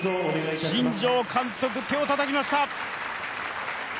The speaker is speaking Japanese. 新庄監督、手をたたきました。